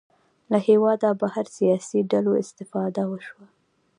له هېواده بهر سیاسي ډلو استفاده وشوه